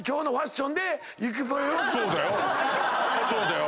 そうだよ。